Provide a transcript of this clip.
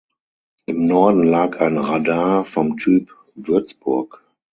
Im Norden lag ein Radar vom Typ Würzburg.